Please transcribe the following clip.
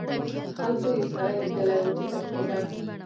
خلکو یو سړی لیدلی و چې تښتیده.